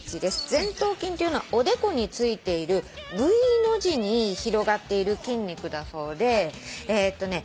前頭筋というのはおでこについているＶの字に広がっている筋肉だそうでえっとね